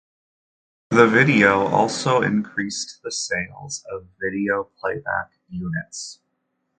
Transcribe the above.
The video also increased the sales of video playback units.